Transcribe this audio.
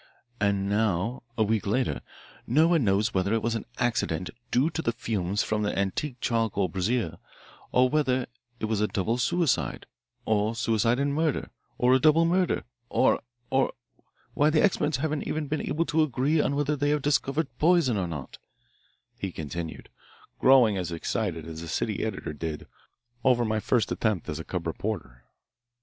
And now, a week later, no one knows whether it was an accident due to the fumes from the antique charcoal brazier, or whether it was a double suicide, or suicide and murder, or a double murder, or or why, the experts haven't even been able to agree on whether they have discovered poison or not," he continued, growing as excited as the city editor did over my first attempt as a cub reporter.